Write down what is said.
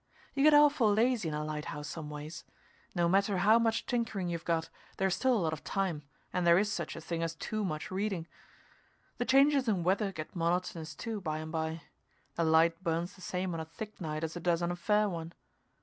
You get awful lazy in a lighthouse, some ways. No matter how much tinkering you've got, there's still a lot of time and there's such a thing as too much reading. The changes in weather get monotonous, too, by and by; the light burns the same on a thick night as it does on a fair one.